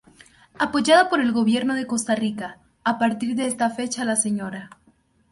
Apoyada por el Gobierno de Costa Rica, a partir de esta fecha la Sra.